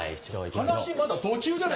話まだ途中じゃない！